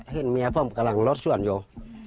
เห็นเมียผมกำลังรถส่วนอยู่